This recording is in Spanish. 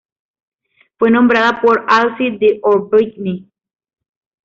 Fue nombrada por Alcide d'Orbigny.